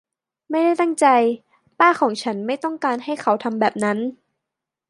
ไม่ได้ตั้งใจ ป้าของฉันไม่ต้องการให้เขาทำแบบนั้น